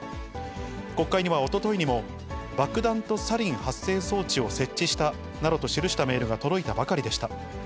国会にはおとといにも、爆弾とサリン発生装置を設置したなどと記したメールが届いたばかりでした。